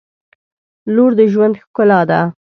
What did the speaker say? • لور د ژوند ښکلا ده.